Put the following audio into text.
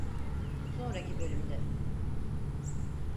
Sonraki bölümde…